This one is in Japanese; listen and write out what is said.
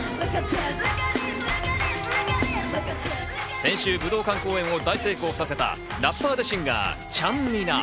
先週、武道館公演を大成功させた、ラッパーでシンガーのちゃんみな。